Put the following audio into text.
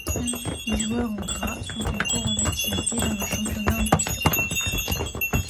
Les joueurs en gras sont encore en activité dans le championnat en question.